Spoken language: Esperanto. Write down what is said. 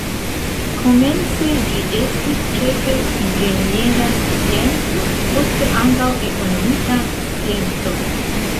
Komence ĝi estis ĉefe inĝeniera scienco, poste ankaŭ ekonomika scienco.